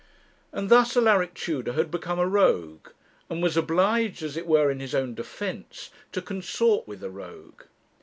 And thus Alaric Tudor had become a rogue, and was obliged, as it were in his own defence, to consort with a rogue.